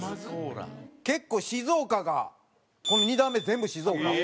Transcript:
結構静岡がこの２段目全部静岡。